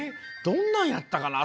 どんなんやったかな？